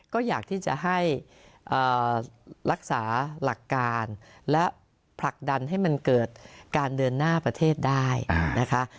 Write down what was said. ก็อยากที่จะให้รักษาหลักการและผลักดันให้มันเกิดการเดินหน้าประเทศได้นะคะ